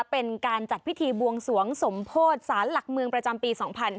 เป็นการจัดพิธีบวงสวงสมโพธิสารหลักเมืองประจำปี๒๕๕๙